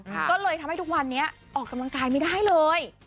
ก็เลยทำให้ทุกวันนี้ออกกำลังกายไม่ได้เลย